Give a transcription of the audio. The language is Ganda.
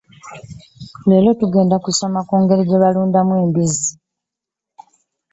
Leero tugenda kusoma ku ngeri gye balundamu embizzi.